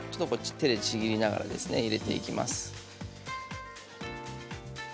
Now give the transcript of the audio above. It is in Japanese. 手でちぎりながら入れていきます。